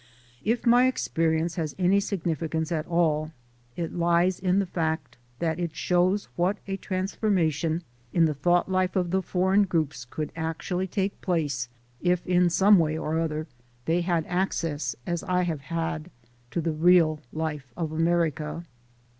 If my experience has any signifi cance at all, it lies in the fact that it shows what a transformation in the thought life of the foreign groups could actually take place, if in some way or other they had access, as I have had, to the real life of America.